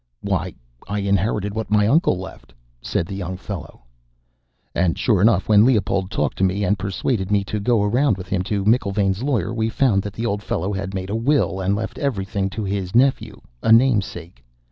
"'Why, I inherited what my uncle left,' said the young fellow. "And, sure enough, when Leopold talked to me and persuaded me to go around with him to McIlvaine's lawyer, we found that the old fellow had made a will and left everything to his nephew, a namesake.